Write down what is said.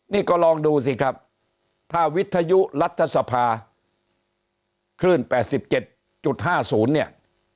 นี่ก็ลองดูสิครับถ้าวิทยุรัฐสภาคลื่น๘๗๕๐เนี่ย